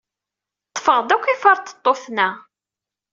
Ḍḍfeɣ-d akk iferṭeṭṭuten-a.